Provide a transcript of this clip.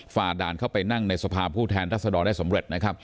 ฝ่าด่านเข้าไปนั่งในสภาพผู้แทนรัศดรได้สำเร็จนะครับ